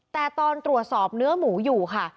แต่ตอนตรวจสอบเนื้อหมูอยู่ค่ะ